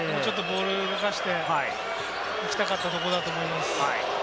ボールをもうちょっと動かしていきたかったところだと思います。